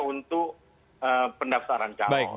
untuk pendaftaran calon